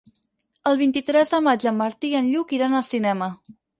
El vint-i-tres de maig en Martí i en Lluc iran al cinema.